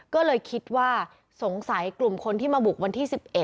ก็เลยคิดว่าสงสัยกลุ่มคนที่มาบุกวันที่๑๑